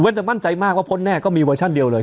แต่มั่นใจมากว่าพ้นแน่ก็มีเวอร์ชันเดียวเลย